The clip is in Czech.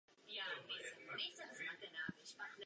Organizace Amnesty International jej označila za vězně svědomí.